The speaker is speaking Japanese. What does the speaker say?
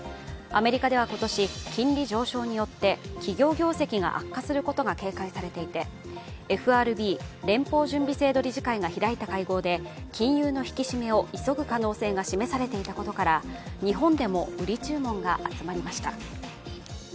アメリカでは今年、金利上昇によって企業業績が悪化することが警戒されていて、ＦＲＢ＝連邦準備理事会が開いた会合で金融の引き締めを急ぐ可能性が示されていたことから日本でも売り注文が集まりました。